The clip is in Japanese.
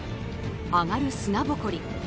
上がる砂ぼこり。